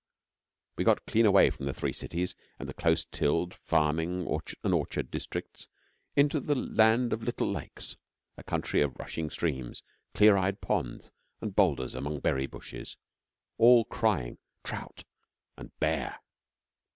We got clean away from the Three Cities and the close tilled farming and orchard districts, into the Land of Little Lakes a country of rushing streams, clear eyed ponds, and boulders among berry bushes; all crying 'Trout' and 'Bear.'